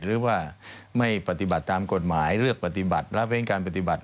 หรือว่าไม่ปฏิบัติตามกฎหมายเลือกปฏิบัติรับเว้นการปฏิบัติ